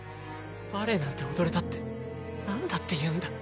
バレエなんて踊れたってなんだっていうんだ。